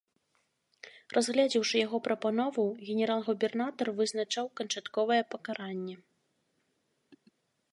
Разгледзеўшы яго прапанову, генерал-губернатар вызначаў канчатковае пакаранне.